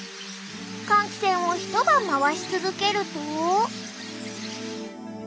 換気扇を一晩回し続けると。